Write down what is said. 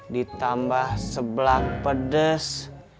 ditambah sebelak pedes